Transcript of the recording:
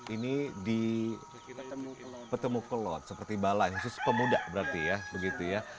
ini di petemu kelon seperti balai khusus pemuda berarti ya